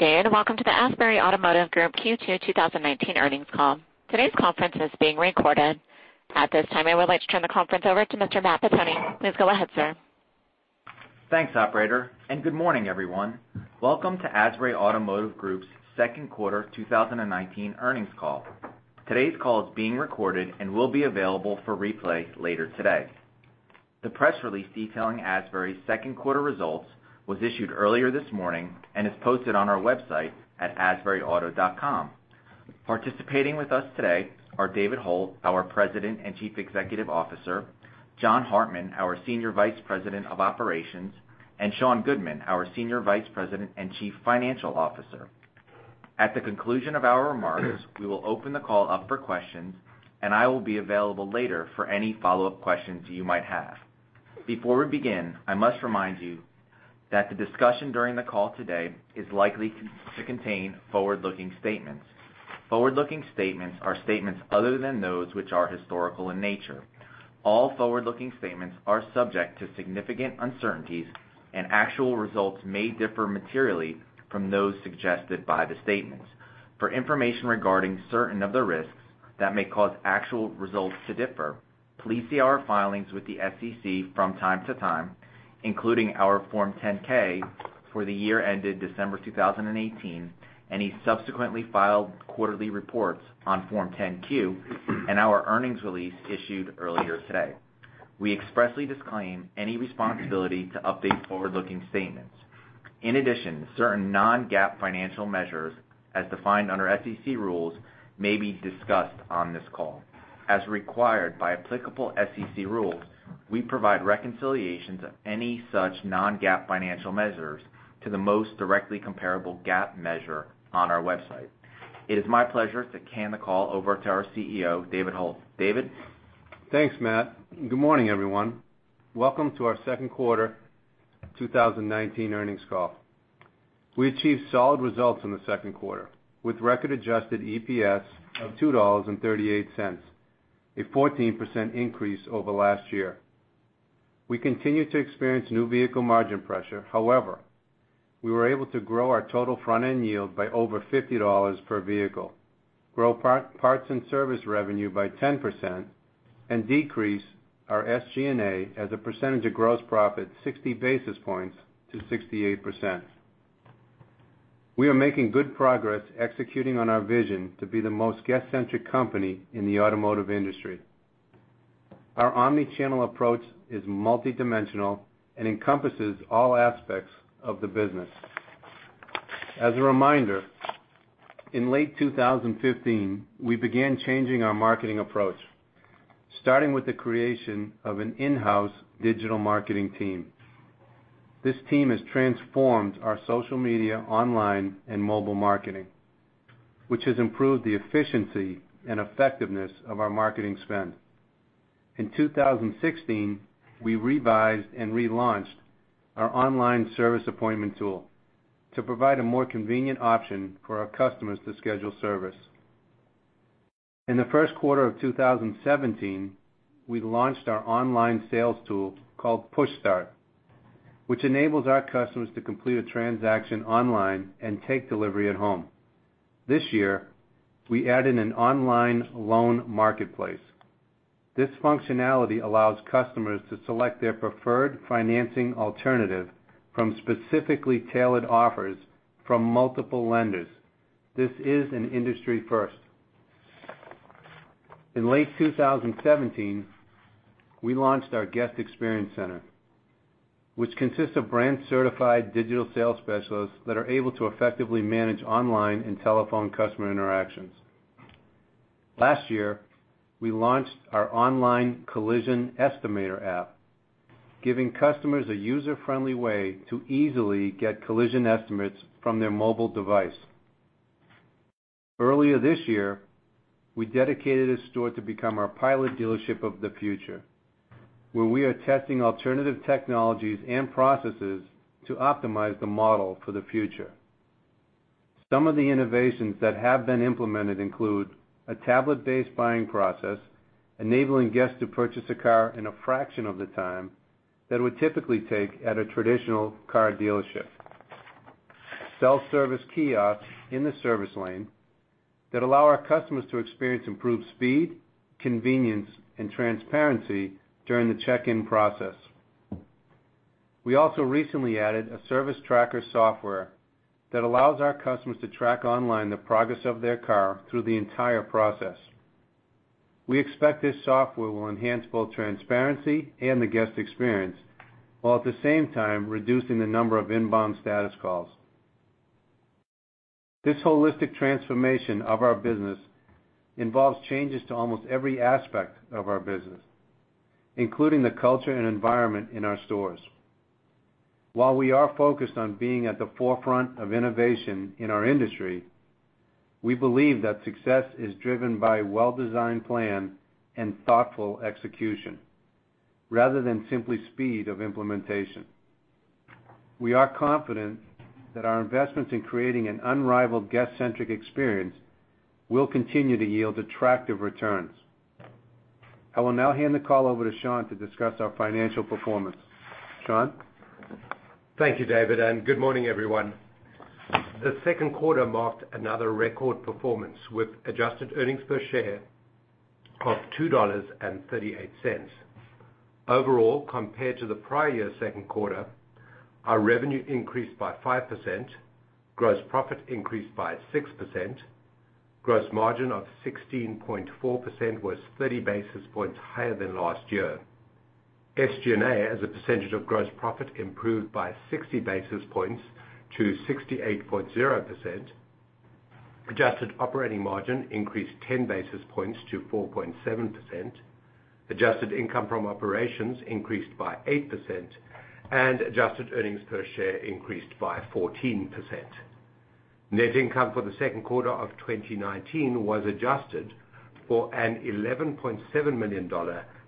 Good day. Welcome to the Asbury Automotive Group Q2 2019 Earnings Call. Today's conference is being recorded. At this time, I would like to turn the conference over to Mr. Matt Pettoni. Please go ahead, sir. Thanks, operator, good morning, everyone. Welcome to Asbury Automotive Group's Second Quarter 2019 Earnings Call. Today's call is being recorded and will be available for replay later today. The press release detailing Asbury's second quarter results was issued earlier this morning and is posted on our website at asburyauto.com. Participating with us today are David Hult, our President and Chief Executive Officer, John Hartman, our Senior Vice President of Operations, and Sean Goodman, our Senior Vice President and Chief Financial Officer. At the conclusion of our remarks, we will open the call up for questions, and I will be available later for any follow-up questions you might have. Before we begin, I must remind you that the discussion during the call today is likely to contain forward-looking statements. Forward-looking statements are statements other than those which are historical in nature. All forward-looking statements are subject to significant uncertainties, and actual results may differ materially from those suggested by the statements. For information regarding certain of the risks that may cause actual results to differ, please see our filings with the SEC from time to time, including our Form 10-K for the year ended December 2018, any subsequently filed quarterly reports on Form 10-Q, and our earnings release issued earlier today. We expressly disclaim any responsibility to update forward-looking statements. In addition, certain non-GAAP financial measures, as defined under SEC rules, may be discussed on this call. As required by applicable SEC rules, we provide reconciliations of any such non-GAAP financial measures to the most directly comparable GAAP measure on our website. It is my pleasure to hand the call over to our CEO, David Hult. David? Thanks, Matt. Good morning, everyone. Welcome to our second quarter 2019 earnings call. We achieved solid results in the second quarter, with record adjusted EPS of $2.38, a 14% increase over last year. We continue to experience new vehicle margin pressure. We were able to grow our total front-end yield by over $50 per vehicle, grow parts and service revenue by 10%, and decrease our SG&A as a percentage of gross profit 60 basis points to 68%. We are making good progress executing on our vision to be the most guest-centric company in the automotive industry. Our omni-channel approach is multidimensional and encompasses all aspects of the business. As a reminder, in late 2015, we began changing our marketing approach, starting with the creation of an in-house digital marketing team. This team has transformed our social media, online, and mobile marketing, which has improved the efficiency and effectiveness of our marketing spend. In 2016, we revised and relaunched our online service appointment tool to provide a more convenient option for our customers to schedule service. In the first quarter of 2017, we launched our online sales tool called PushStart, which enables our customers to complete a transaction online and take delivery at home. This year, we added an online loan marketplace. This functionality allows customers to select their preferred financing alternative from specifically tailored offers from multiple lenders. This is an industry first. In late 2017, we launched our guest experience center, which consists of brand-certified digital sales specialists that are able to effectively manage online and telephone customer interactions. Last year, we launched our online collision estimator app, giving customers a user-friendly way to easily get collision estimates from their mobile device. Earlier this year, we dedicated a store to become our pilot dealership of the future, where we are testing alternative technologies and processes to optimize the model for the future. Some of the innovations that have been implemented include a tablet-based buying process, enabling guests to purchase a car in a fraction of the time that it would typically take at a traditional car dealership. Self-service kiosks in the service lane that allow our customers to experience improved speed, convenience, and transparency during the check-in process. We also recently added a service tracker software that allows our customers to track online the progress of their car through the entire process. We expect this software will enhance both transparency and the guest experience while at the same time reducing the number of inbound status calls. This holistic transformation of our business involves changes to almost every aspect of our business, including the culture and environment in our stores. While we are focused on being at the forefront of innovation in our industry, we believe that success is driven by a well-designed plan and thoughtful execution rather than simply speed of implementation. We are confident that our investments in creating an unrivaled guest-centric experience will continue to yield attractive returns. I will now hand the call over to Sean to discuss our financial performance. Sean? Thank you, David, and good morning, everyone. The second quarter marked another record performance with adjusted earnings per share of $2.38. Overall, compared to the prior year's second quarter, our revenue increased by 5%, gross profit increased by 6%, gross margin of 16.4% was 30 basis points higher than last year. SG&A as a percentage of gross profit improved by 60 basis points to 68.0%. Adjusted operating margin increased 10 basis points to 4.7%. Adjusted income from operations increased by 8%, and adjusted earnings per share increased by 14%. Net income for the second quarter of 2019 was adjusted for an $11.7 million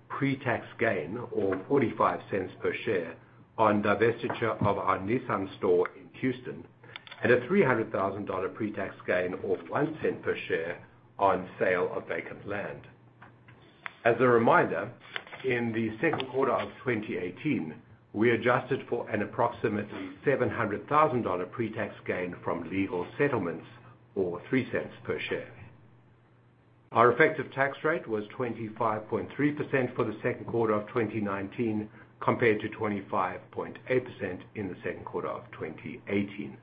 pre-tax gain, or $0.45 per share on divestiture of our Nissan store in Houston, and a $300,000 pre-tax gain, or $0.01 per share on sale of vacant land. As a reminder, in the second quarter of 2018, we adjusted for an approximately $700,000 pre-tax gain from legal settlements, or $0.03 per share. Our effective tax rate was 25.3% for the second quarter of 2019, compared to 25.8% in the second quarter of 2018.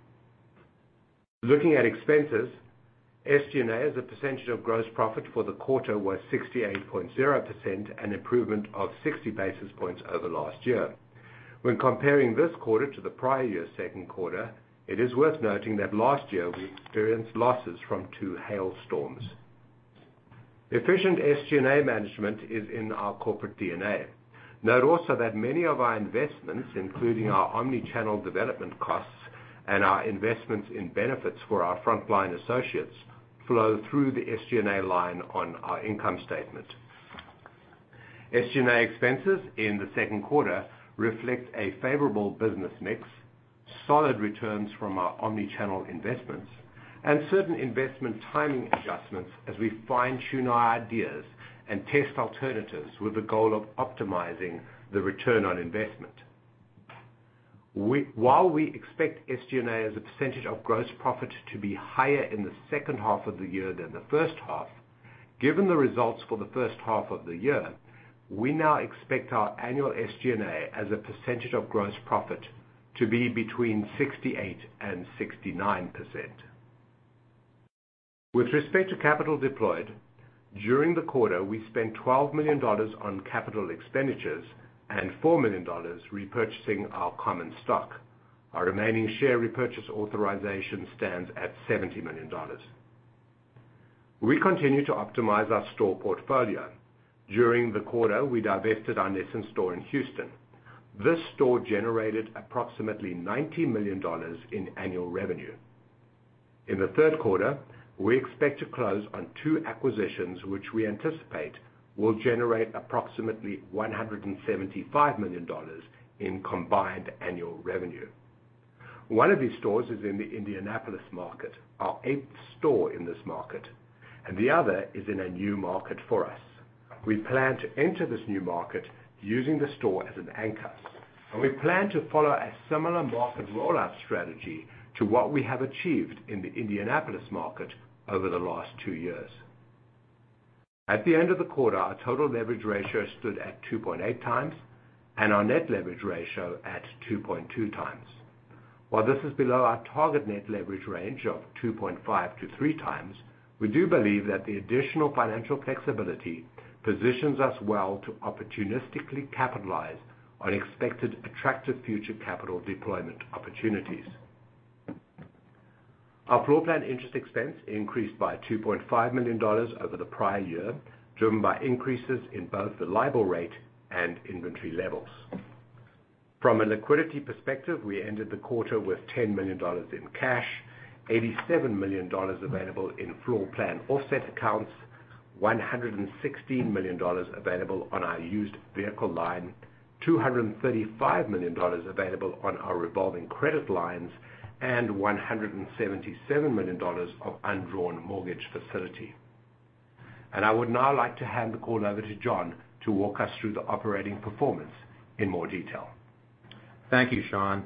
Looking at expenses, SG&A as a percentage of gross profit for the quarter was 68.0%, an improvement of 60 basis points over last year. When comparing this quarter to the prior year's second quarter, it is worth noting that last year we experienced losses from two hail storms. Efficient SG&A management is in our corporate DNA. Note also that many of our investments, including our omni-channel development costs and our investments in benefits for our frontline associates, flow through the SG&A line on our income statement. SG&A expenses in the second quarter reflect a favorable business mix, solid returns from our omni-channel investments, and certain investment timing adjustments as we fine-tune our ideas and test alternatives with the goal of optimizing the return on investment. While we expect SG&A as a percentage of gross profit to be higher in the second half of the year than the first half, given the results for the first half of the year, we now expect our annual SG&A as a percentage of gross profit to be between 68% and 69%. With respect to capital deployed, during the quarter, we spent $12 million on capital expenditures and $4 million repurchasing our common stock. Our remaining share repurchase authorization stands at $70 million. We continue to optimize our store portfolio. During the quarter, we divested our Nissan store in Houston. This store generated approximately $90 million in annual revenue. In the third quarter, we expect to close on two acquisitions, which we anticipate will generate approximately $175 million in combined annual revenue. One of these stores is in the Indianapolis market, our eighth store in this market, and the other is in a new market for us. We plan to enter this new market using the store as an anchor, and we plan to follow a similar market rollout strategy to what we have achieved in the Indianapolis market over the last two years. At the end of the quarter, our total leverage ratio stood at 2.8x and our net leverage ratio at 2.2x. While this is below our target net leverage range of 2.5 to 3x, we do believe that the additional financial flexibility positions us well to opportunistically capitalize on expected attractive future capital deployment opportunities. Our floorplan interest expense increased by $2.5 million over the prior year, driven by increases in both the LIBOR rate and inventory levels. From a liquidity perspective, we ended the quarter with $10 million in cash, $87 million available in floor plan offset accounts, $116 million available on our used vehicle line, $235 million available on our revolving credit lines, and $177 million of undrawn mortgage facility. I would now like to hand the call over to John to walk us through the operating performance in more detail. Thank you, Sean.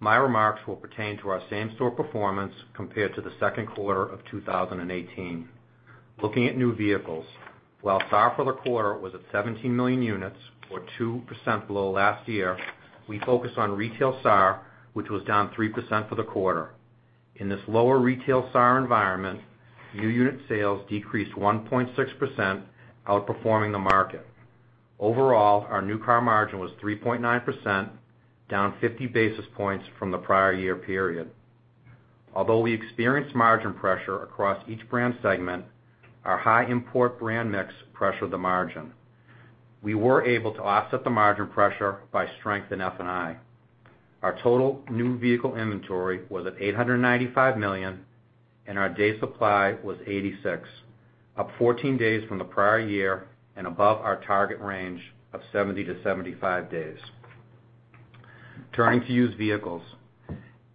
My remarks will pertain to our same-store performance compared to the second quarter of 2018. Looking at new vehicles, while SAR for the quarter was at 17 million units, or 2% below last year, we focused on retail SAR, which was down 3% for the quarter. In this lower retail SAR environment, new unit sales decreased 1.6%, outperforming the market. Overall, our new car margin was 3.9%, down 50 basis points from the prior year period. Although we experienced margin pressure across each brand segment, our high import brand mix pressured the margin. We were able to offset the margin pressure by strength in F&I. Our total new vehicle inventory was at $895 million, and our day supply was 86, up 14 days from the prior year and above our target range of 70 to 75 days. Turning to used vehicles.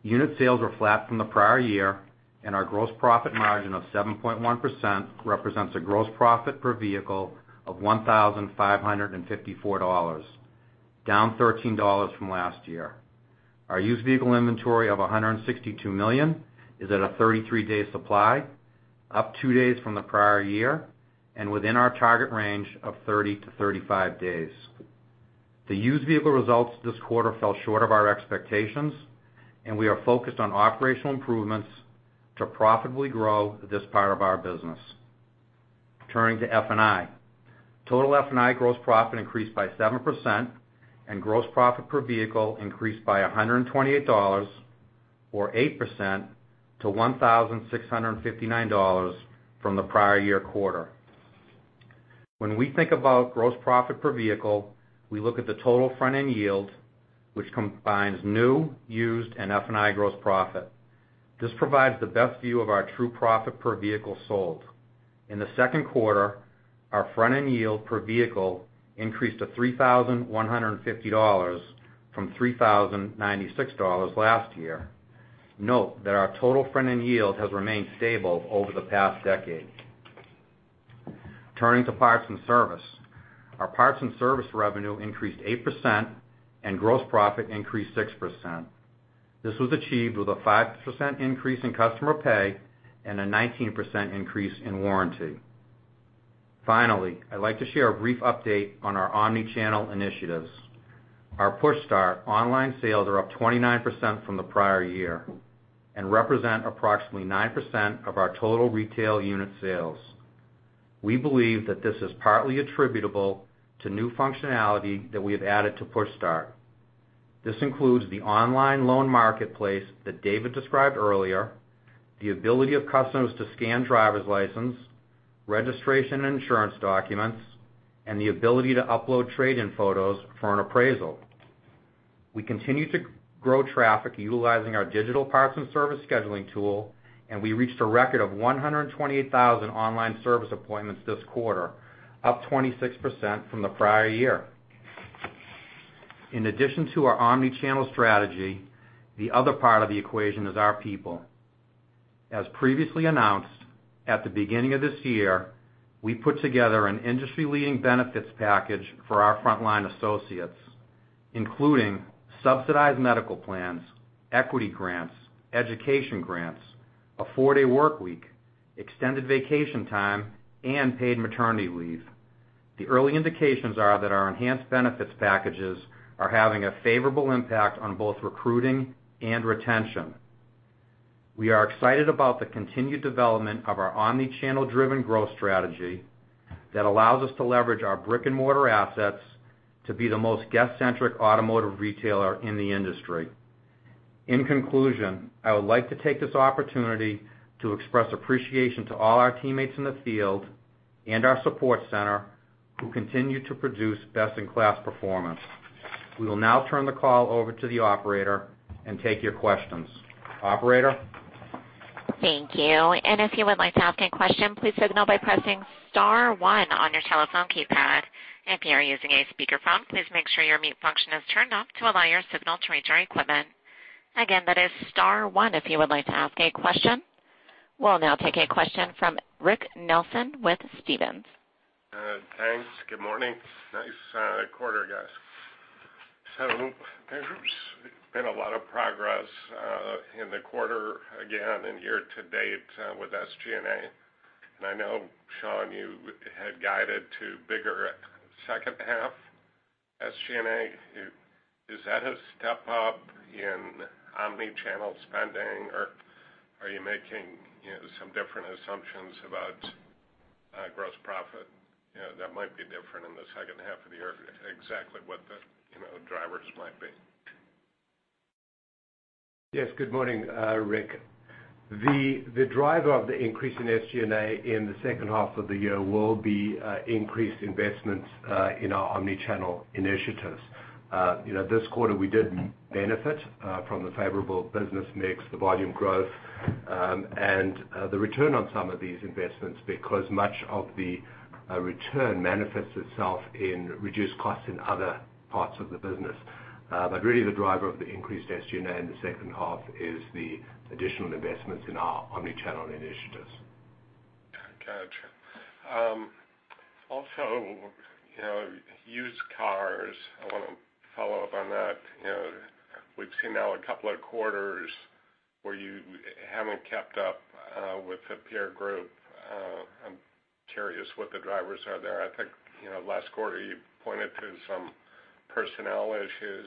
Unit sales were flat from the prior year, and our gross profit margin of 7.1% represents a gross profit per vehicle of $1,554, down $13 from last year. Our used vehicle inventory of $162 million is at a 33-day supply, up two days from the prior year and within our target range of 30 to 35 days. The used vehicle results this quarter fell short of our expectations, and we are focused on operational improvements to profitably grow this part of our business. Turning to F&I. Total F&I gross profit increased by 7% and gross profit per vehicle increased by $128 or 8% to $1,659 from the prior year quarter. When we think about gross profit per vehicle, we look at the total front-end yield, which combines new, used, and F&I gross profit. This provides the best view of our true profit per vehicle sold. In the second quarter, our front-end yield per vehicle increased to $3,150 from $3,096 last year. Note that our total front-end yield has remained stable over the past decade. Turning to parts and service. Our parts and service revenue increased 8% and gross profit increased 6%. This was achieved with a 5% increase in customer pay and a 19% increase in warranty. Finally, I'd like to share a brief update on our omnichannel initiatives. Our PushStart online sales are up 29% from the prior year and represent approximately 9% of our total retail unit sales. We believe that this is partly attributable to new functionality that we have added to PushStart. This includes the online loan marketplace that David described earlier, the ability of customers to scan driver's license, registration and insurance documents, and the ability to upload trade-in photos for an appraisal. We continue to grow traffic utilizing our digital parts and service scheduling tool, and we reached a record of 128,000 online service appointments this quarter, up 26% from the prior year. In addition to our omnichannel strategy, the other part of the equation is our people. As previously announced, at the beginning of this year, we put together an industry-leading benefits package for our frontline associates, including subsidized medical plans, equity grants, education grants, a four-day work week, extended vacation time, and paid maternity leave. The early indications are that our enhanced benefits packages are having a favorable impact on both recruiting and retention. We are excited about the continued development of our omnichannel-driven growth strategy that allows us to leverage our brick-and-mortar assets to be the most guest-centric automotive retailer in the industry. In conclusion, I would like to take this opportunity to express appreciation to all our teammates in the field and our support center who continue to produce best-in-class performance. We will now turn the call over to the operator and take your questions. Operator? Thank you. If you would like to ask a question, please signal by pressing star one on your telephone keypad. If you are using a speakerphone, please make sure your mute function is turned off to allow your signal to reach our equipment. Again, that is star one if you would like to ask a question. We'll now take a question from Rick Nelson with Stephens. Thanks. Good morning. Nice quarter, guys. There's been a lot of progress in the quarter again and year-to-date with SG&A. I know, Sean, you had guided to bigger second half SG&A. Is that a step up in omnichannel spending, or are you making some different assumptions about gross profit that might be different in the second half of the year? Exactly what the drivers might be? Yes. Good morning, Rick. The driver of the increase in SG&A in the second half of the year will be increased investments in our omnichannel initiatives. This quarter we did benefit from the favorable business mix, the volume growth, and the return on some of these investments because much of the return manifests itself in reduced costs in other parts of the business. Really the driver of the increased SG&A in the second half is the additional investments in our omnichannel initiatives. Gotcha. Also, used cars. I want to follow up on that. We've seen now a couple of quarters where you haven't kept up with the peer group. I'm curious what the drivers are there. I think last quarter you pointed to some personnel issues.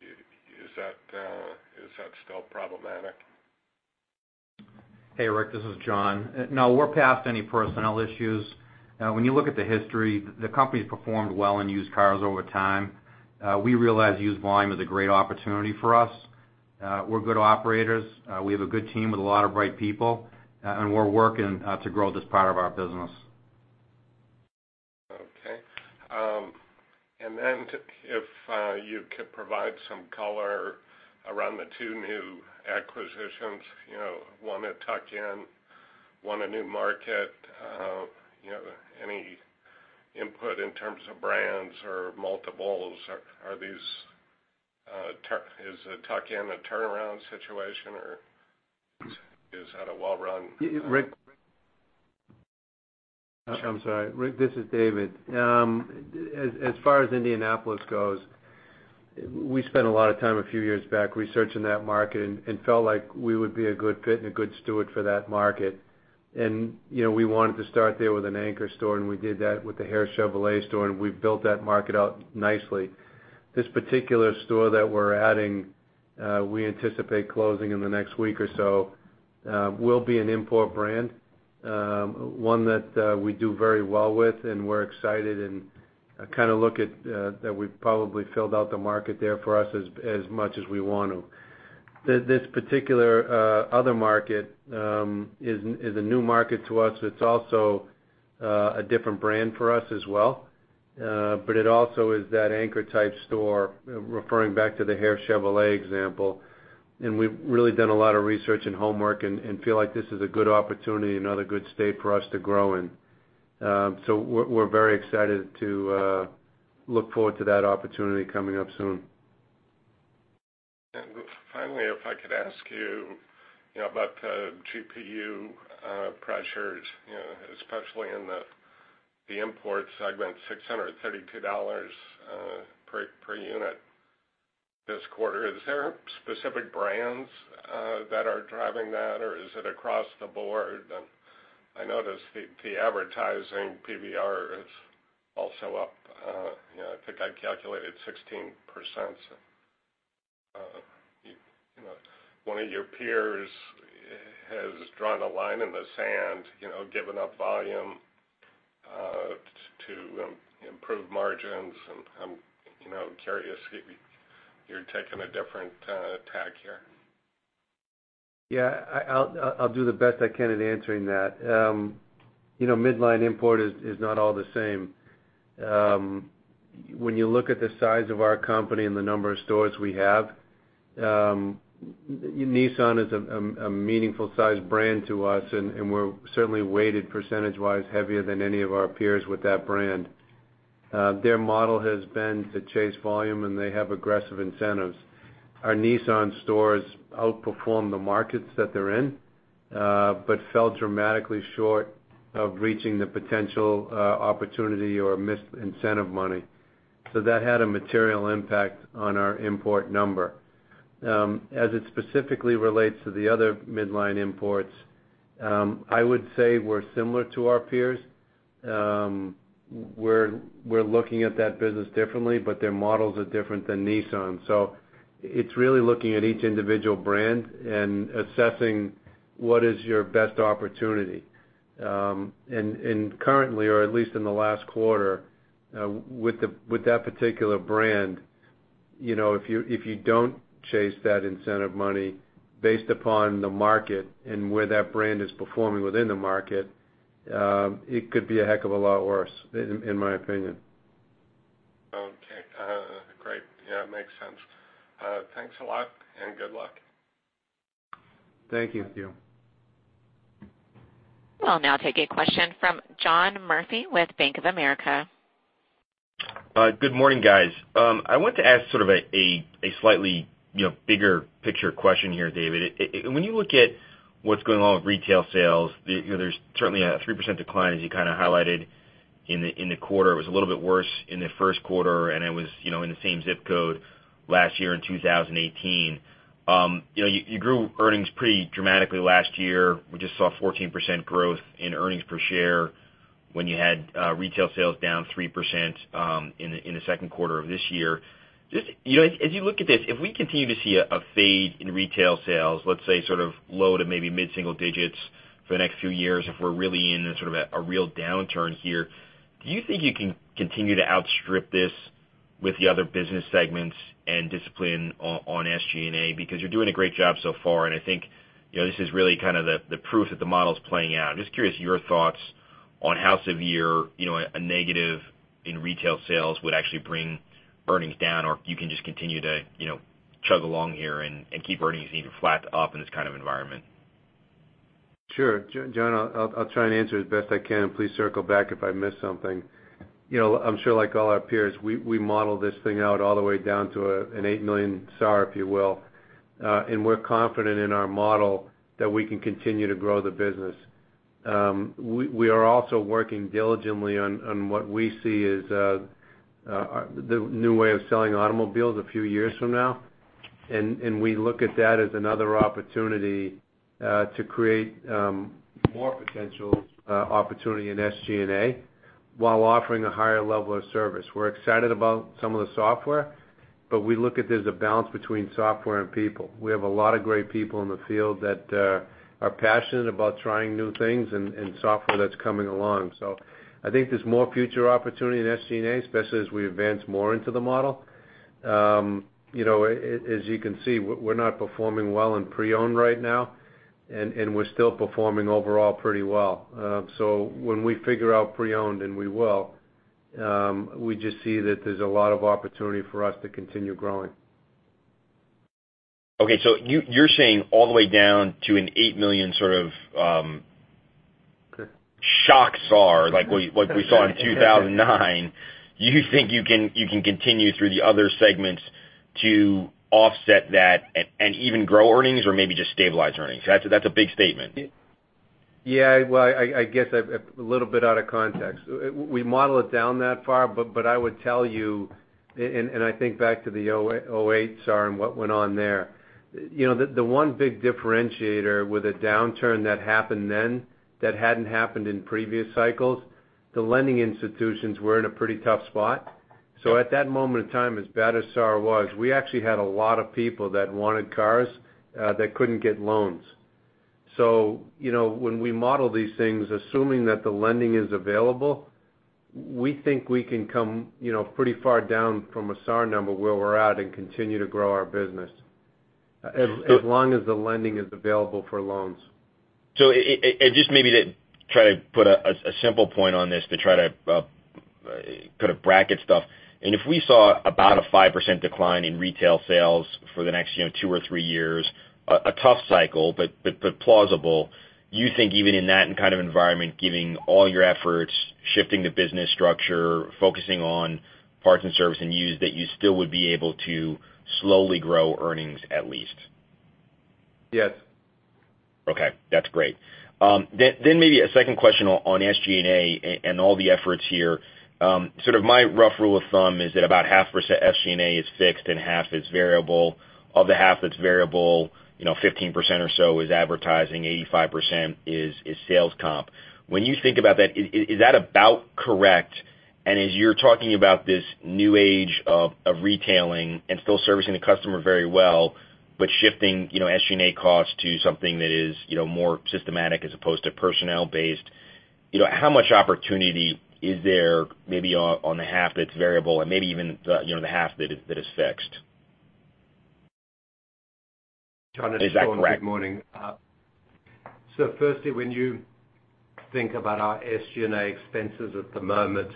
Is that still problematic? Hey, Rick, this is John. No, we're past any personnel issues. When you look at the history, the company's performed well in used cars over time. We realize used volume is a great opportunity for us. We're good operators. We have a good team with a lot of bright people, and we're working to grow this part of our business. Okay. If you could provide some color on the two new acquisitions, one a tuck-in, one a new market? Any input in terms of brands or multiples? Is tuck-in a turnaround situation, or is that a well-run? Rick. I'm sorry, Rick, this is David. As far as Indianapolis goes, we spent a lot of time a few years back researching that market and felt like we would be a good fit and a good steward for that market. We wanted to start there with an anchor store, and we did that with the Hare Chevrolet store, and we've built that market out nicely. This particular store that we're adding, we anticipate closing in the next week or so, will be an import brand. One that we do very well with, and we're excited and kind of look at that we've probably filled out the market there for us as much as we want to. This particular other market is a new market to us. It's also a different brand for us as well. It also is that anchor type store, referring back to the Hare Chevrolet example, and we've really done a lot of research and homework and feel like this is a good opportunity, another good state for us to grow in. We're very excited to look forward to that opportunity coming up soon. Finally, if I could ask you about GPU pressures, especially in the import segment, $632 per unit this quarter. Is there specific brands that are driving that, or is it across the board? I noticed the advertising PVR is also up. I think I calculated 16%. One of your peers has drawn a line in the sand, giving up volume to improve margins, and I'm curious if you're taking a different tack here. Yeah, I'll do the best I can at answering that. Midline import is not all the same. When you look at the size of our company and the number of stores we have, Nissan is a meaningful size brand to us, and we're certainly weighted percentage-wise heavier than any of our peers with that brand. Their model has been to chase volume, they have aggressive incentives. Our Nissan stores outperform the markets that they're in but fell dramatically short of reaching the potential opportunity or missed incentive money. That had a material impact on our import number. As it specifically relates to the other midline imports, I would say we're similar to our peers. We're looking at that business differently, their models are different than Nissan. It's really looking at each individual brand and assessing what is your best opportunity. Currently, or at least in the last quarter, with that particular brand, if you don't chase that incentive money based upon the market and where that brand is performing within the market, it could be a heck of a lot worse, in my opinion. Okay. Great. Yeah, makes sense. Thanks a lot, and good luck. Thank you. We'll now take a question from John Murphy with Bank of America. Good morning, guys. I want to ask sort of a slightly bigger picture question here, David. When you look at what's going on with retail sales, there's certainly a 3% decline, as you kind of highlighted in the quarter. It was a little bit worse in the first quarter, and it was in the same zip code last year in 2018. You grew earnings pretty dramatically last year. We just saw 14% growth in earnings per share when you had retail sales down 3% in the second quarter of this year. As you look at this, if we continue to see a fade in retail sales, let's say sort of low to maybe mid-single digits for the next few years, if we're really in a sort of a real downturn here, do you think you can continue to outstrip this with the other business segments and discipline on SG&A? You're doing a great job so far, and I think this is really kind of the proof that the model is playing out. I'm just curious your thoughts on how severe a negative in retail sales would actually bring earnings down, or if you can just continue to chug along here and keep earnings even flat to up in this kind of environment? Sure. John, I'll try and answer as best I can. Please circle back if I miss something. I'm sure like all our peers, we model this thing out all the way down to an 8 million SAR, if you will. We're confident in our model that we can continue to grow the business. We are also working diligently on what we see as the new way of selling automobiles a few years from now. We look at that as another opportunity to create more potential opportunity in SG&A while offering a higher level of service. We're excited about some of the software. We look at there's a balance between software and people. We have a lot of great people in the field that are passionate about trying new things and software that's coming along. I think there's more future opportunity in SG&A, especially as we advance more into the model. As you can see, we're not performing well in pre-owned right now, and we're still performing overall pretty well. When we figure out pre-owned, and we will. We just see that there's a lot of opportunity for us to continue growing. Okay, you're saying all the way down to an $8 million sort of. Correct Shock SAR, like what we saw in 2009, you think you can continue through the other segments to offset that and even grow earnings or maybe just stabilize earnings? That's a big statement. Yeah. Well, I guess I'm a little bit out of context. We model it down that far, I would tell you, and I think back to the 2008 SAAR and what went on there. The one big differentiator with the downturn that happened then that hadn't happened in previous cycles, the lending institutions were in a pretty tough spot. At that moment in time, as bad as SAAR was, we actually had a lot of people that wanted cars that couldn't get loans. When we model these things, assuming that the lending is available, we think we can come pretty far down from a SAAR number where we're at and continue to grow our business, as long as the lending is available for loans. Just maybe to try to put a simple point on this to try to kind of bracket stuff. If we saw about a 5% decline in retail sales for the next two or three years, a tough cycle, but plausible, you think even in that kind of environment, giving all your efforts, shifting the business structure, focusing on parts and service and used, that you still would be able to slowly grow earnings at least? Yes. Okay. That's great. Maybe a second question on SG&A and all the efforts here. Sort of my rough rule of thumb is that about half % SG&A is fixed and half is variable. Of the half that's variable, 15% or so is advertising, 85% is sales comp. When you think about that, is that about correct? As you're talking about this new age of retailing and still servicing the customer very well, but shifting SG&A costs to something that is more systematic as opposed to personnel based. How much opportunity is there maybe on the half that's variable and maybe even the half that is fixed? John, it's Sean. Good morning. When you think about our SG&A expenses at the moment,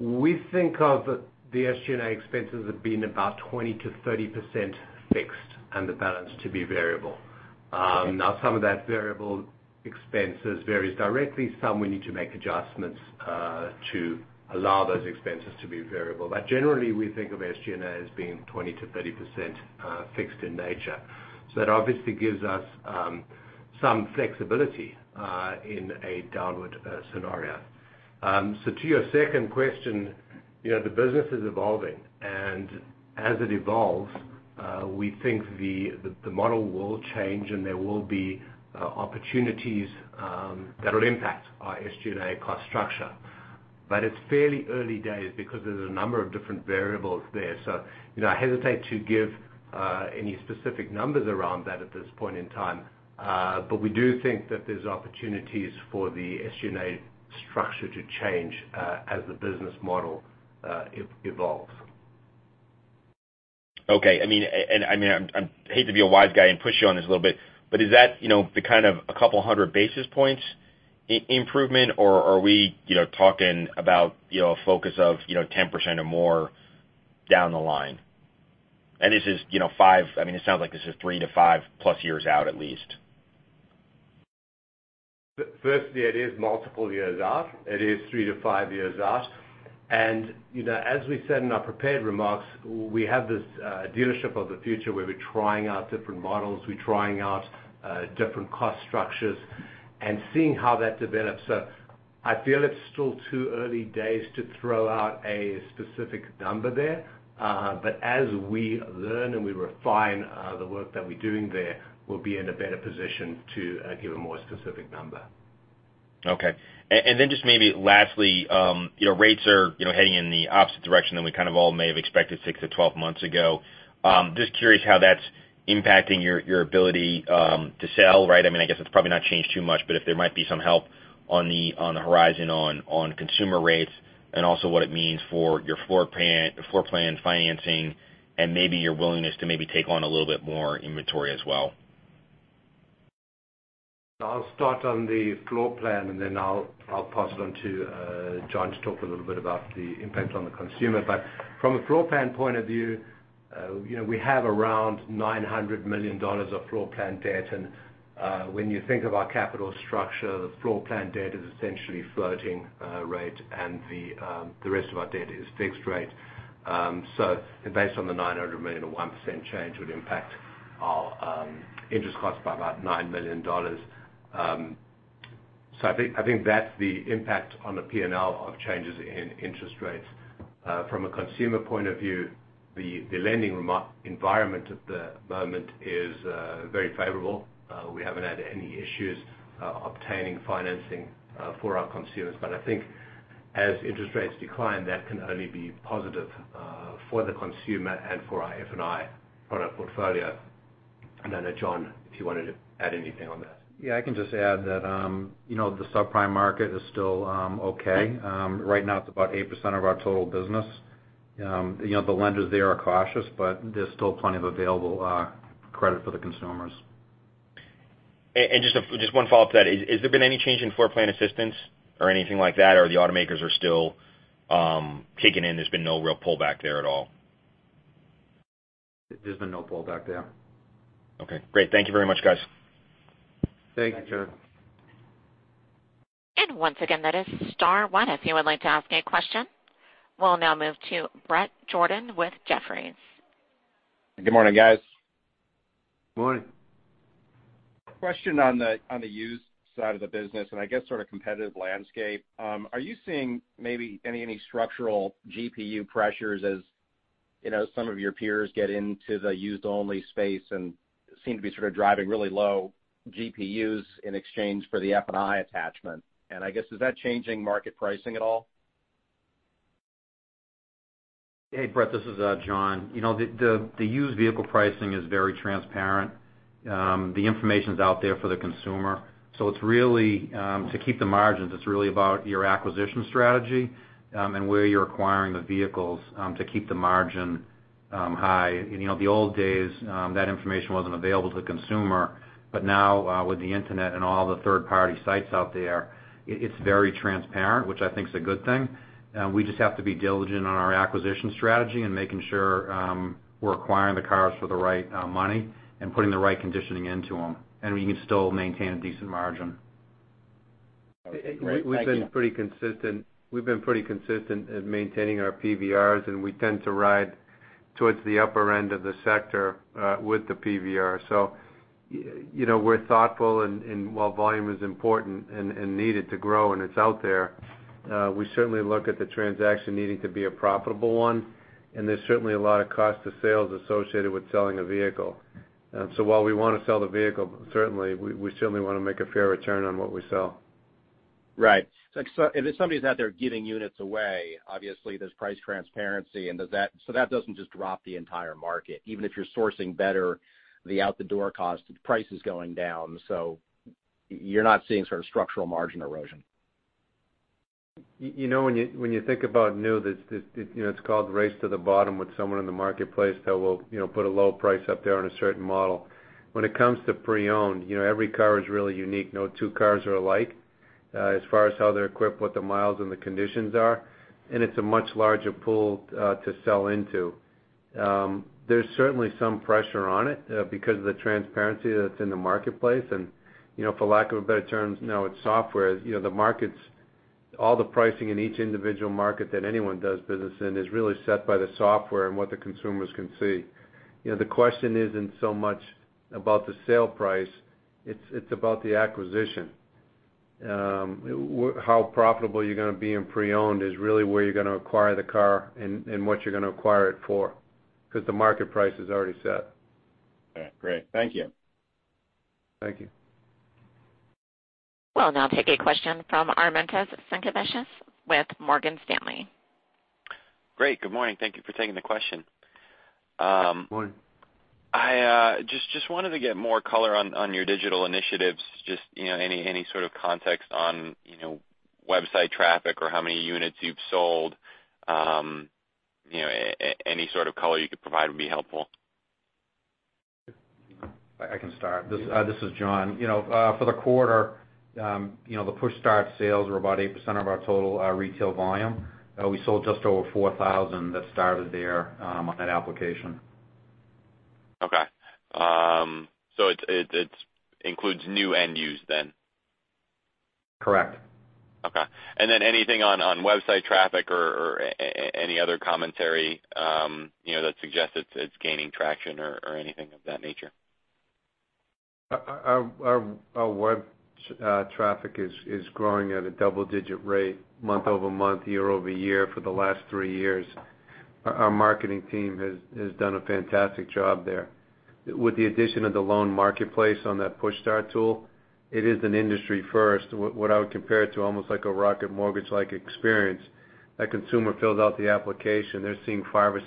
we think of the SG&A expenses have been about 20%-30% fixed and the balance to be variable. Some of that variable expenses varies directly. Some we need to make adjustments to allow those expenses to be variable. We think of SG&A as being 20%-30% fixed in nature. That obviously gives us some flexibility in a downward scenario. To your second question, the business is evolving, and as it evolves, we think the model will change, and there will be opportunities that'll impact our SG&A cost structure. It's fairly early days because there's a number of different variables there. I hesitate to give any specific numbers around that at this point in time. We do think that there's opportunities for the SG&A structure to change as the business model evolves. Okay. I hate to be a wise guy and push you on this a little bit, is that the kind of a couple 100 basis points improvement or are we talking about a focus of 10% or more down the line? It sounds like this is three to five+ years out at least. Firstly, it is multiple years out. It is three to five years out. As we said in our prepared remarks, we have this dealership of the future where we're trying out different models, we're trying out different cost structures and seeing how that develops. I feel it's still too early days to throw out a specific number there. As we learn and we refine the work that we're doing there, we'll be in a better position to give a more specific number. Okay. Just maybe lastly, rates are heading in the opposite direction than we kind of all may have expected six to 12 months ago. Just curious how that's impacting your ability to sell, right? I guess it's probably not changed too much, but if there might be some help on the horizon on consumer rates and also what it means for your floorplan financing and maybe your willingness to maybe take on a little bit more inventory as well. I'll start on the floorplan. Then I'll pass it on to John to talk a little bit about the impact on the consumer. From a floorplan point of view, we have around $900 million of floorplan debt. When you think of our capital structure, the floorplan debt is essentially floating rate, and the rest of our debt is fixed rate. Based on the $900 million, a 1% change would impact our interest cost by about $9 million. I think that's the impact on the P&L of changes in interest rates. From a consumer point of view, the lending environment at the moment is very favorable. We haven't had any issues obtaining financing for our consumers. I think as interest rates decline, that can only be positive for the consumer and for our F&I product portfolio. John, if you wanted to add anything on that. Yeah, I can just add that the subprime market is still okay. Right now it's about 8% of our total business. The lenders there are cautious, but there's still plenty of available credit for the consumers. Just one follow-up to that. Has there been any change in floor plan assistance or anything like that or the automakers are still kicking in, there's been no real pullback there at all? There's been no pullback there. Okay, great. Thank you very much, guys. Thank you, John. Once again, that is star one if you would like to ask a question. We'll now move to Bret Jordan with Jefferies. Good morning, guys. Good morning. Question on the used side of the business, I guess sort of competitive landscape. Are you seeing maybe any structural GPU pressures as some of your peers get into the used-only space and seem to be sort of driving really low GPUs in exchange for the F&I attachment? I guess, is that changing market pricing at all? Hey, Bret, this is John. The used vehicle pricing is very transparent. The information's out there for the consumer. To keep the margins, it's really about your acquisition strategy, and where you're acquiring the vehicles to keep the margin high. The old days, that information wasn't available to the consumer. Now, with the internet and all the third-party sites out there, it's very transparent, which I think is a good thing. We just have to be diligent on our acquisition strategy and making sure we're acquiring the cars for the right money and putting the right conditioning into them, and we can still maintain a decent margin. Great. Thank you. We've been pretty consistent at maintaining our PVRs, and we tend to ride towards the upper end of the sector with the PVR. We're thoughtful and while volume is important and needed to grow and it's out there, we certainly look at the transaction needing to be a profitable one, and there's certainly a lot of cost to sales associated with selling a vehicle. While we want to sell the vehicle, certainly, we certainly want to make a fair return on what we sell. Right. If somebody's out there giving units away, obviously there's price transparency. That doesn't just drop the entire market. Even if you're sourcing better the out-the-door cost, the price is going down. You're not seeing sort of structural margin erosion. When you think about new, it's called race to the bottom with someone in the marketplace that will put a low price up there on a certain model. When it comes to pre-owned, every car is really unique. No two cars are alike as far as how they're equipped, what the miles and the conditions are, and it's a much larger pool to sell into. There's certainly some pressure on it because of the transparency that's in the marketplace, and for lack of a better term now it's software. The markets, all the pricing in each individual market that anyone does business in is really set by the software and what the consumers can see. The question isn't so much about the sale price, it's about the acquisition. How profitable you're going to be in pre-owned is really where you're going to acquire the car and what you're going to acquire it for, because the market price is already set. All right. Great. Thank you. Thank you. We'll now take a question from Armintas Sinkevicius with Morgan Stanley. Great. Good morning. Thank you for taking the question. Good morning. I just wanted to get more color on your digital initiatives, just any sort of context on website traffic or how many units you've sold. Any sort of color you could provide would be helpful. I can start. This is John. For the quarter, the PushStart sales were about 8% of our total retail volume. We sold just over 4,000 that started there on that application. Okay. It includes new and used then? Correct. Okay. Anything on website traffic or any other commentary that suggests it's gaining traction or anything of that nature? Our web traffic is growing at a double-digit rate month-over-month, year-over-year for the last three years. Our marketing team has done a fantastic job there. With the addition of the loan marketplace on that PushStart tool, it is an industry first, what I would compare it to almost like a Rocket Mortgage-like experience. A consumer fills out the application. They're seeing five or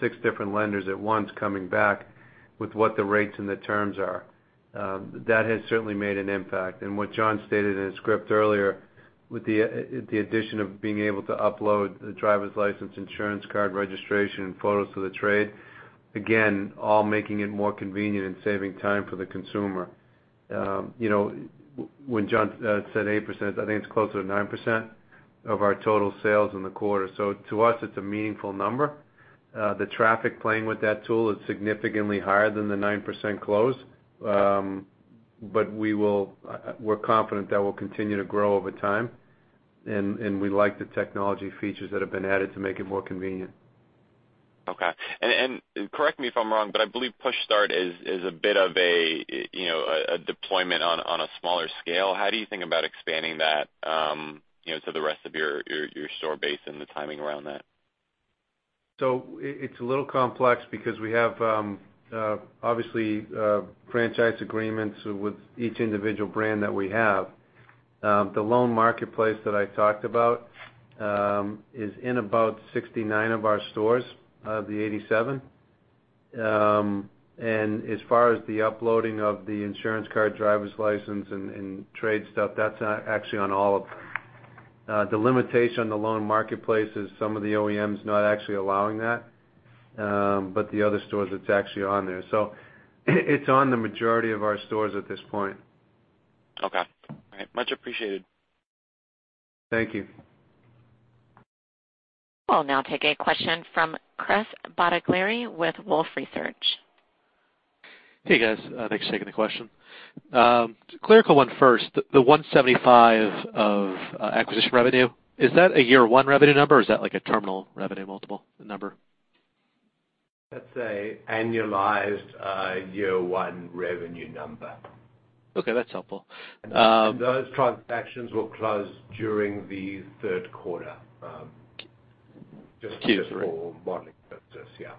six different lenders at once coming back with what the rates and the terms are. That has certainly made an impact. What John stated in his script earlier, with the addition of being able to upload the driver's license, insurance card, registration, and photos of the trade, again, all making it more convenient and saving time for the consumer. When John said 8%, I think it's closer to 9% of our total sales in the quarter. To us, it's a meaningful number. The traffic playing with that tool is significantly higher than the 9% close. We're confident that will continue to grow over time, and we like the technology features that have been added to make it more convenient. Okay. Correct me if I'm wrong, but I believe PushStart is a bit of a deployment on a smaller scale. How do you think about expanding that to the rest of your store base and the timing around that? It's a little complex because we have obviously franchise agreements with each individual brand that we have. The loan marketplace that I talked about is in about 69 of our stores of the 87. As far as the uploading of the insurance card, driver's license, and trade stuff, that's actually on all of them. The limitation on the loan marketplace is some of the OEMs not actually allowing that. The other stores, it's actually on there. It's on the majority of our stores at this point. Okay. All right. Much appreciated. Thank you. We'll now take a question from Chris Bottiglieri with Wolfe Research. Hey, guys. Thanks for taking the question. Clerical one first. The $175 of acquisition revenue, is that a year one revenue number, or is that like a terminal revenue multiple number? That's a annualized year one revenue number. Okay, that's helpful. Those transactions will close during the third quarter. Q3. Just for modeling purposes, yeah.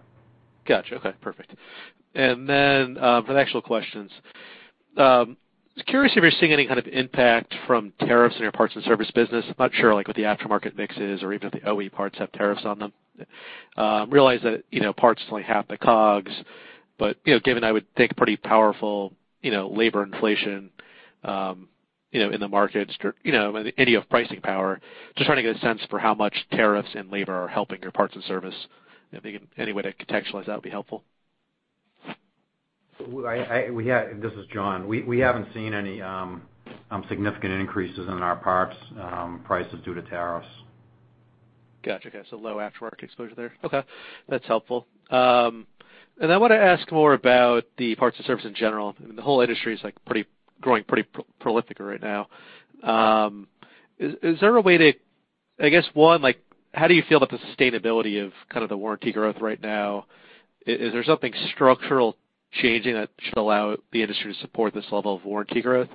Got you. Okay, perfect. For the actual questions, I was curious if you're seeing any kind of impact from tariffs in your parts and service business. I'm not sure what the aftermarket mix is or even if the OE parts have tariffs on them. Realize that parts is only half the COGS, given, I would think, pretty powerful labor inflation in the markets, with any of pricing power. I'm just trying to get a sense for how much tariffs and labor are helping your parts and service. If you have any way to contextualize, that would be helpful. This is John. We haven't seen any significant increases in our parts prices due to tariffs. Got you. Low aftermarket exposure there. Okay, that's helpful. I want to ask more about the parts and service in general. The whole industry is growing pretty prolifically right now. Is there a way to, I guess, one, how do you feel about the sustainability of kind of the warranty growth right now? Is there something structural changing that should allow the industry to support this level of warranty growth?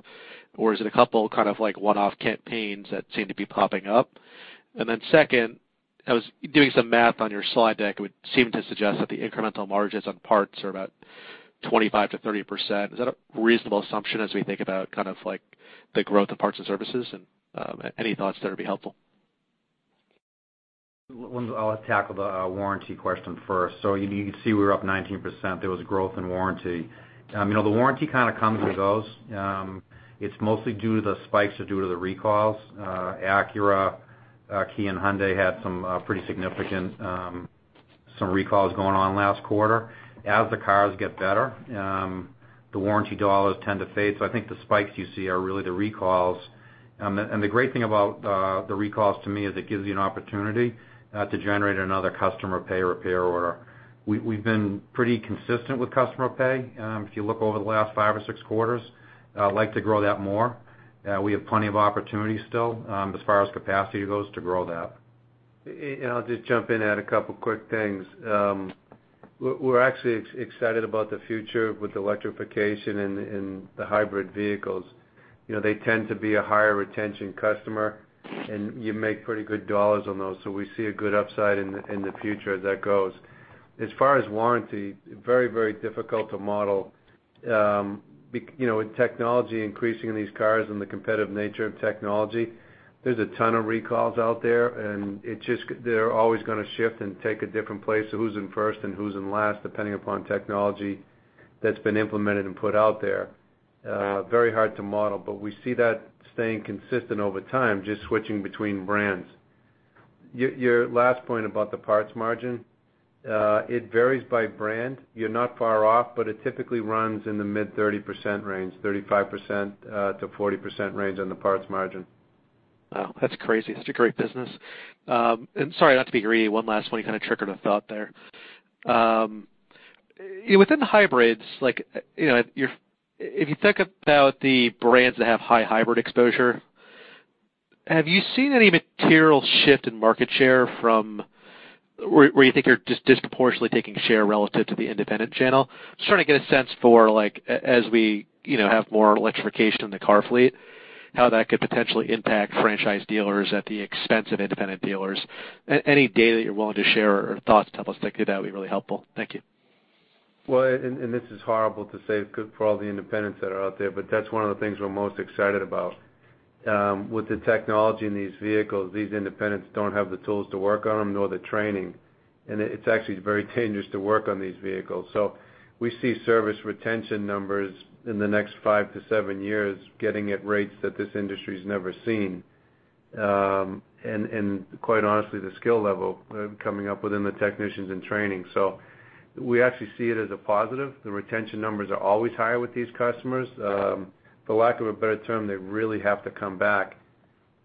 Or is it a couple kind of one-off campaigns that seem to be popping up? Then second, I was doing some math on your slide deck. It would seem to suggest that the incremental margins on parts are about 25%-30%. Is that a reasonable assumption as we think about the growth of parts and services? Any thoughts there would be helpful. I'll tackle the warranty question first. You can see we were up 19%. There was growth in warranty. The warranty kind of comes and goes. It's mostly due to the spikes or due to the recalls. Acura, Kia, and Hyundai had some pretty significant recalls going on last quarter. As the cars get better, the warranty dollars tend to fade. I think the spikes you see are really the recalls. The great thing about the recalls to me is it gives you an opportunity to generate another customer pay repair order. We've been pretty consistent with customer pay. If you look over the last five or six quarters, I'd like to grow that more. We have plenty of opportunities still, as far as capacity goes, to grow that. I'll just jump in at a couple of quick things. We're actually excited about the future with electrification and the hybrid vehicles. They tend to be a higher retention customer, and you make pretty good dollars on those. We see a good upside in the future as that goes. As far as warranty, very difficult to model. With technology increasing in these cars and the competitive nature of technology, there's a ton of recalls out there. And they're always going to shift and take a different place of who's in first and who's in last, depending upon technology that's been implemented and put out there. Very hard to model, but we see that staying consistent over time, just switching between brands. Your last point about the parts margin, it varies by brand. You're not far off, but it typically runs in the mid 30% range, 35%-40% range on the parts margin. Wow, that's crazy. That's a great business. Sorry, not to be greedy. One last one. You kind of triggered a thought there. Within hybrids, if you think about the brands that have high hybrid exposure, have you seen any material shift in market share from where you think you're disproportionately taking share relative to the independent channel? Just trying to get a sense for as we have more electrification in the car fleet, how that could potentially impact franchise dealers at the expense of independent dealers. Any data that you're willing to share or thoughts to help us think through that would be really helpful. Thank you. Well, this is horrible to say for all the independents that are out there, but that's one of the things we're most excited about. With the technology in these vehicles, these independents don't have the tools to work on them nor the training, and it's actually very dangerous to work on these vehicles. We see service retention numbers in the next five to seven years getting at rates that this industry's never seen. Quite honestly, the skill level coming up within the technicians in training. We actually see it as a positive. The retention numbers are always higher with these customers. For lack of a better term, they really have to come back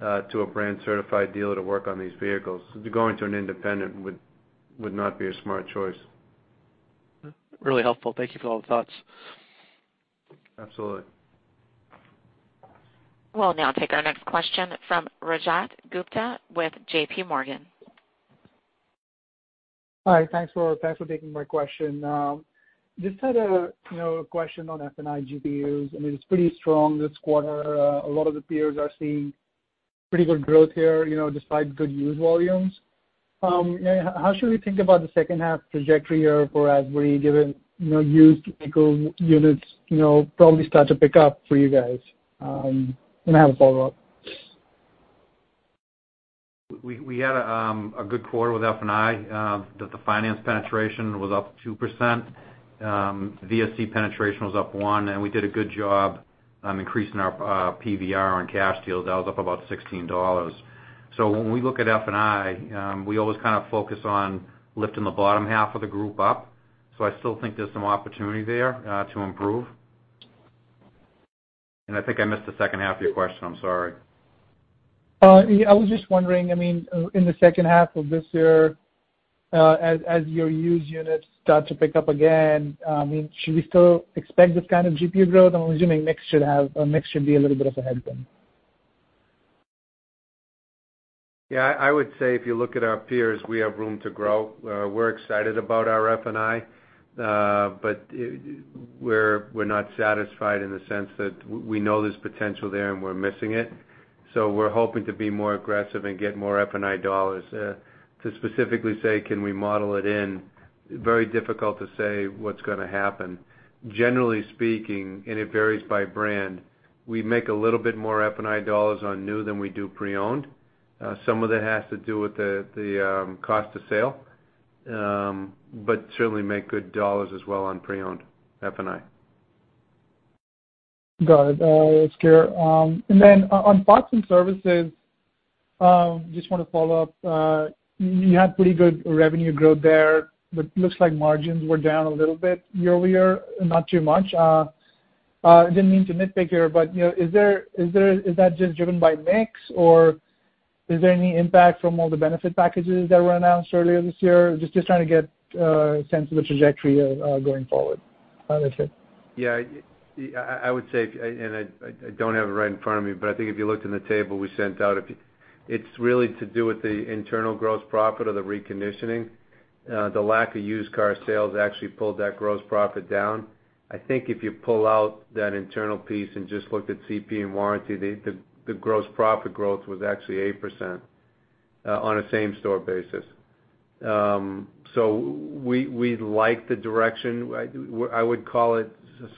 to a brand certified dealer to work on these vehicles. To go into an independent would not be a smart choice. Really helpful. Thank you for all the thoughts. Absolutely. We'll now take our next question from Rajat Gupta with JPMorgan. Hi, thanks for taking my question. Just had a question on F&I GPUs. It's pretty strong this quarter. A lot of the peers are seeing pretty good growth here despite good used volumes. How should we think about the second half trajectory here for Asbury, given used vehicle units probably start to pick up for you guys? I have a follow-up. We had a good quarter with F&I that the finance penetration was up 2%. VSC penetration was up one, we did a good job on increasing our PVR on cash deals. That was up about $16. When we look at F&I, we always kind of focus on lifting the bottom half of the group up. I still think there's some opportunity there to improve. I think I missed the second half of your question. I'm sorry. I was just wondering in the second half of this year, as your used units start to pick up again, should we still expect this kind of GP growth? I'm assuming mix should be a little bit of a headwind. I would say if you look at our peers, we have room to grow. We're excited about our F&I, but we're not satisfied in the sense that we know there's potential there, and we're missing it. We're hoping to be more aggressive and get more F&I dollars. To specifically say, can we model it in, very difficult to say what's going to happen. Generally speaking, and it varies by brand, we make a little bit more F&I dollars on new than we do pre-owned. Some of it has to do with the cost of sale, but certainly make good dollars as well on pre-owned F&I. Got it. That's clear. Then on parts and services, just want to follow up. You had pretty good revenue growth there, but looks like margins were down a little bit year-over-year, not too much. I didn't mean to nitpick here, but is that just driven by mix, or is there any impact from all the benefit packages that were announced earlier this year? Just trying to get a sense of the trajectory going forward. That's it. Yeah. I would say, I don't have it right in front of me, I think if you looked in the table we sent out, it's really to do with the internal gross profit or the reconditioning. The lack of used car sales actually pulled that gross profit down. I think if you pull out that internal piece and just looked at CP and warranty, the gross profit growth was actually 8% on a same-store basis. We like the direction. I would call it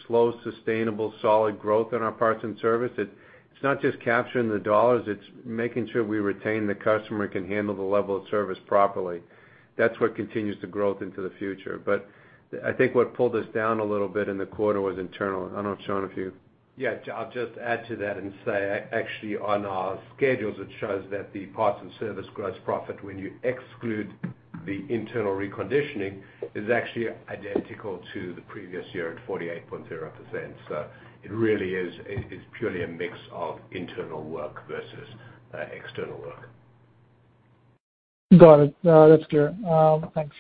slow, sustainable, solid growth in our parts and service. It's not just capturing the dollars, it's making sure we retain the customer and can handle the level of service properly. That's what continues the growth into the future. I think what pulled us down a little bit in the quarter was internal. I don't know, Sean, if you. Yeah, I'll just add to that and say, actually, on our schedules, it shows that the parts and service gross profit, when you exclude the internal reconditioning, is actually identical to the previous year at 48.0%. It really is purely a mix of internal work versus external work. Got it. That's clear. Thanks.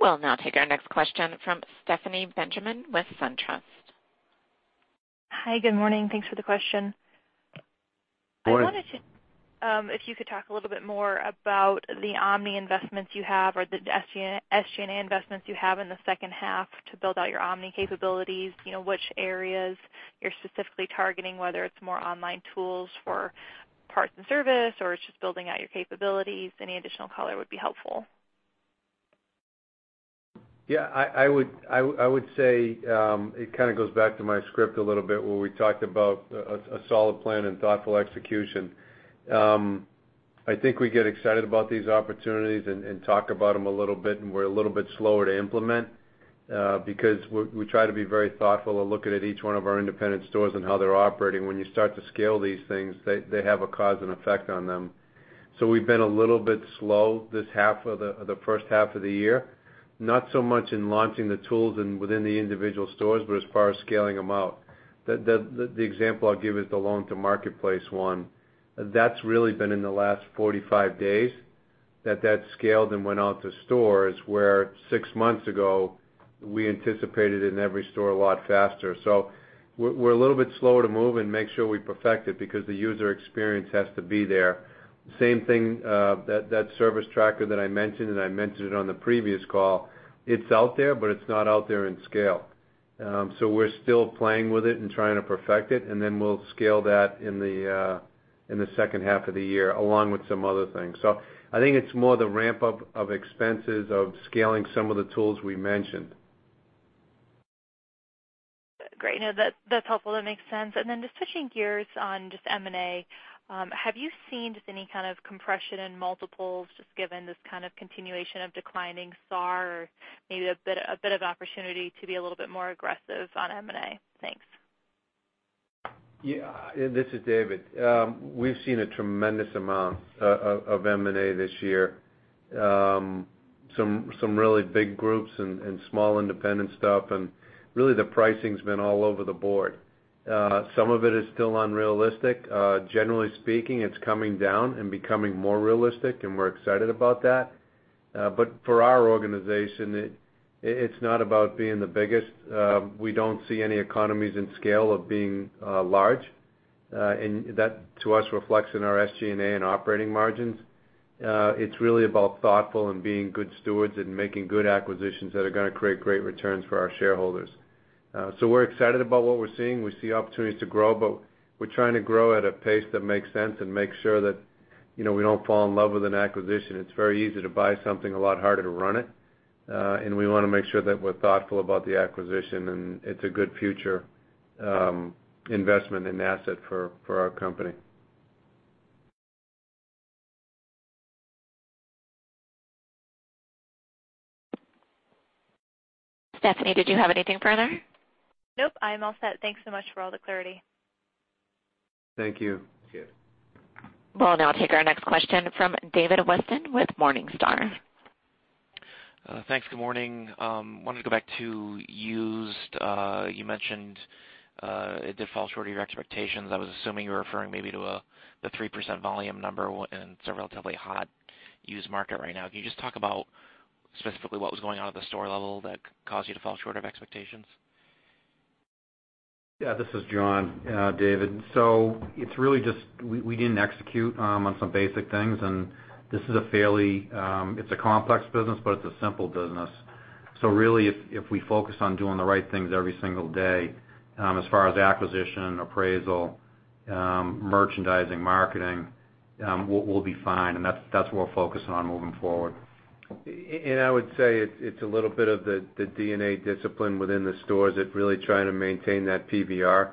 We'll now take our next question from Stephanie Benjamin with SunTrust. Hi, good morning. Thanks for the question. Morning. I wanted to, if you could talk a little bit more about the omni investments you have or the SG&A investments you have in the second half to build out your omni capabilities, which areas you're specifically targeting, whether it's more online tools for parts and service or it's just building out your capabilities? Any additional color would be helpful. Yeah, I would say it kind of goes back to my script a little bit where we talked about a solid plan and thoughtful execution. I think we get excited about these opportunities and talk about them a little bit, and we're a little bit slower to implement, because we try to be very thoughtful and look at each one of our independent stores and how they're operating. When you start to scale these things, they have a cause and effect on them. We've been a little bit slow this first half of the year, not so much in launching the tools within the individual stores, but as far as scaling them out. The example I'll give is the loan to marketplace one. That's really been in the last 45 days that that scaled and went out to stores, where six months ago, we anticipated it in every store a lot faster. We're a little bit slower to move and make sure we perfect it because the user experience has to be there. Same thing, that service tracker that I mentioned, and I mentioned it on the previous call, it's out there, but it's not out there in scale. We're still playing with it and trying to perfect it, and then we'll scale that in the second half of the year, along with some other things. I think it's more the ramp-up of expenses of scaling some of the tools we mentioned. Great. No, that's helpful. That makes sense. Just switching gears on just M&A, have you seen just any kind of compression in multiples, just given this kind of continuation of declining SAAR or maybe a bit of opportunity to be a little bit more aggressive on M&A? Thanks. Yeah. This is David. We've seen a tremendous amount of M&A this year. Some really big groups and small independent stuff, and really the pricing's been all over the board. Some of it is still unrealistic. Generally speaking, it's coming down and becoming more realistic, and we're excited about that. For our organization, it's not about being the biggest. We don't see any economies in scale of being large. That, to us, reflects in our SG&A and operating margins. It's really about thoughtful and being good stewards and making good acquisitions that are going to create great returns for our shareholders. We're excited about what we're seeing. We see opportunities to grow, but we're trying to grow at a pace that makes sense and make sure that we don't fall in love with an acquisition. It's very easy to buy something, a lot harder to run it. We want to make sure that we're thoughtful about the acquisition, and it's a good future investment and asset for our company. Stephanie, did you have anything further? Nope. I'm all set. Thanks so much for all the clarity. Thank you. We'll now take our next question from David Whiston with Morningstar. Thanks. Good morning. I wanted to go back to used. You mentioned it did fall short of your expectations. I was assuming you were referring maybe to the 3% volume number in a relatively hot used market right now. Can you just talk about specifically what was going on at the store level that caused you to fall short of expectations? Yeah. This is John. David. It's really just we didn't execute on some basic things, and this is a complex business, but it's a simple business. Really, if we focus on doing the right things every single day as far as acquisition, appraisal, merchandising, marketing, we'll be fine. That's what we're focused on moving forward. I would say it's a little bit of the DNA discipline within the stores that really try to maintain that PVR.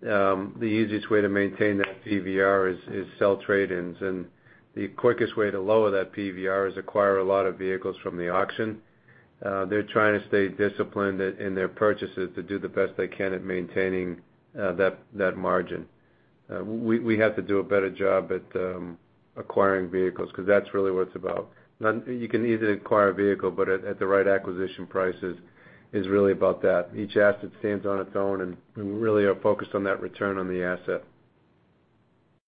The easiest way to maintain that PVR is sell trade-ins. The quickest way to lower that PVR is acquire a lot of vehicles from the auction. They're trying to stay disciplined in their purchases to do the best they can at maintaining that margin. We have to do a better job at acquiring vehicles because that's really what it's about. You can easily acquire a vehicle, but at the right acquisition prices is really about that. Each asset stands on its own, and we really are focused on that return on the asset.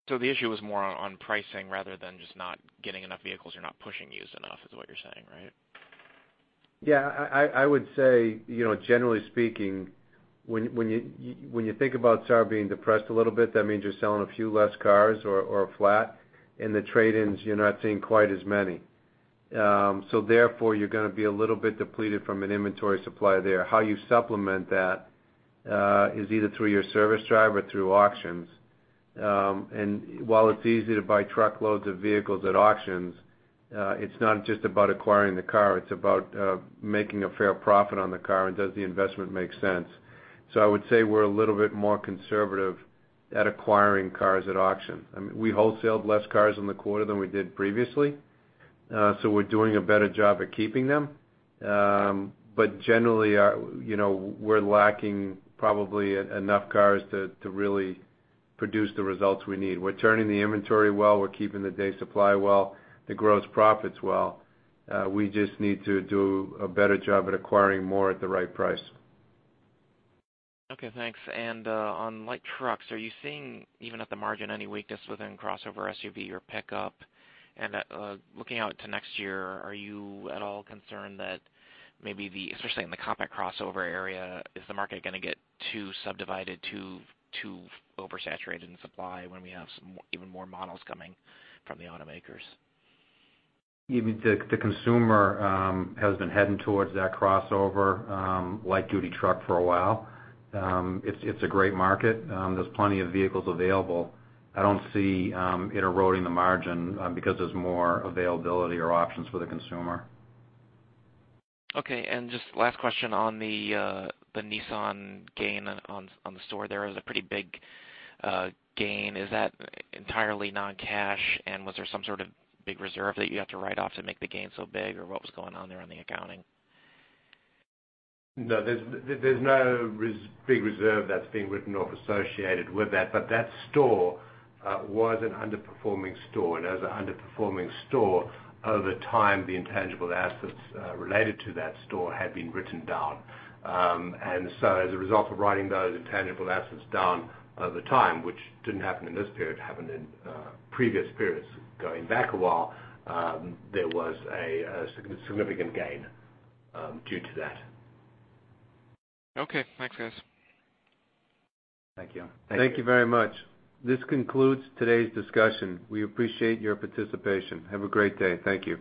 The issue is more on pricing rather than just not getting enough vehicles. You're not pushing used enough, is what you're saying, right? Yeah, I would say, generally speaking, when you think about SAR being depressed a little bit, that means you're selling a few less cars or flat. In the trade-ins, you're not seeing quite as many. Therefore, you're going to be a little bit depleted from an inventory supply there. How you supplement that is either through your service drive or through auctions. While it's easy to buy truckloads of vehicles at auctions, it's not just about acquiring the car, it's about making a fair profit on the car, and does the investment make sense? I would say we're a little bit more conservative at acquiring cars at auction. We wholesaled less cars in the quarter than we did previously, so we're doing a better job at keeping them. Generally, we're lacking probably enough cars to really produce the results we need. We're turning the inventory well, we're keeping the day supply well, the gross profits well. We just need to do a better job at acquiring more at the right price. Okay, thanks. On light trucks, are you seeing, even at the margin, any weakness within crossover SUV or pickup? Looking out to next year, are you at all concerned that maybe especially in the compact crossover area, is the market going to get too subdivided, too oversaturated in supply when we have even more models coming from the automakers? The consumer has been heading towards that crossover light-duty truck for a while. It's a great market. There's plenty of vehicles available. I don't see it eroding the margin because there's more availability or options for the consumer. Okay, just last question on the Nissan gain on the store there. It was a pretty big gain. Is that entirely non-cash, and was there some sort of big reserve that you had to write off to make the gain so big, or what was going on there on the accounting? No, there's no big reserve that's being written off associated with that. That store was an underperforming store. As an underperforming store, over time, the intangible assets related to that store had been written down. As a result of writing those intangible assets down over time, which didn't happen in this period, happened in previous periods going back a while, there was a significant gain due to that. Okay, thanks, guys. Thank you. Thank you very much. This concludes today's discussion. We appreciate your participation. Have a great day. Thank you.